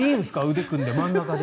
腕組んで、真ん中で。